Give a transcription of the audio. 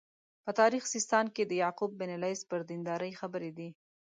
په تاریخ سیستان کې د یعقوب بن لیث پر دینداري خبرې دي.